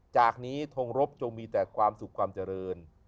จากนี้ทงรบจงมีแต่ความสุขความเจริญ